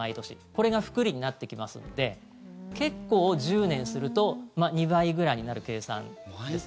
これが複利になってきますので結構、１０年すると２倍ぐらいになる計算ですよね。